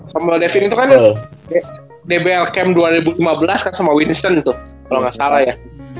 samuel devin itu kan dbl camp dua ribu lima belas kan sama winston tuh kalau gak salah ya